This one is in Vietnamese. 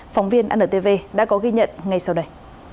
phóng viên antv đã có ghi nhận ngay sau đây